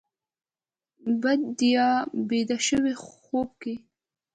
بیدیا بیده شوه خوب کې